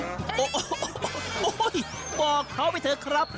โอ้โหบอกเขาไปเถอะครับ